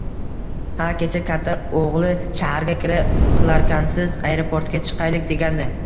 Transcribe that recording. Ha, kecha katta o`g`li Shaharga kira qilarkansiz, aeroportga chiqaylik, degandi